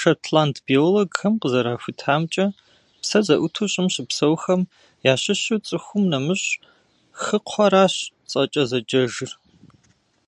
Шотланд биологхэм къызэрахутамкӏэ, псэ зыӏуту Щӏым щыпсэухэм ящыщу цӏыхум нэмыщӏ хыкхъуэращ цӏэкӏэ зэджэжыр.